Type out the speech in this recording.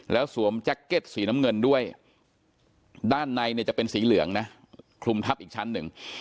แล้วสวมแจ็คเก็ตสีน้ำเงินด้วยด้านในเนี่ยจะเป็นสีเหลืองนะคลุมทับอีกชั้นหนึ่ง